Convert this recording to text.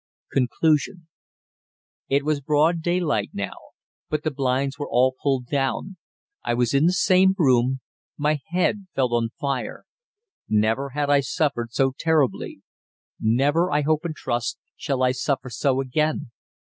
CONCLUSION It was broad daylight now, but the blinds were all pulled down. I was in the same room; my head felt on fire. Never had I suffered so terribly. Never, I hope and trust, shall I suffer so again.